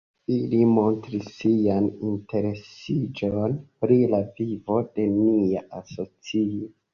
Ili montris sian interesiĝon pri la vivo de nia asocio.